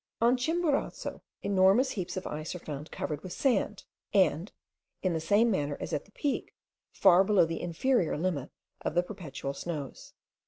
On Chimborazo enormous heaps of ice are found covered with sand, and, in the same manner as at the peak, far below the inferior limit of the perpetual snows.